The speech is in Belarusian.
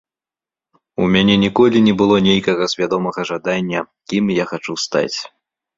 У мяне ніколі не было нейкага свядомага жадання, кім я хачу стаць.